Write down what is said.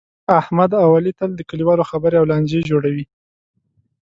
احمد اوعلي تل د کلیوالو خبرې او لانجې جوړوي.